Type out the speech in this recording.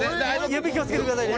指気をつけてくださいね。